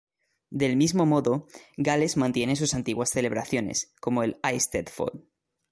Del mismo modo, Gales mantiene sus antiguas celebraciones, como el Eisteddfod.